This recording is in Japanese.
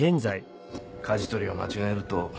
かじ取りを間違えると。